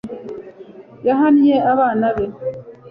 yahannye abana be